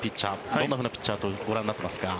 どんなふうなピッチャーとご覧になっていますか？